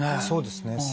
そうですね。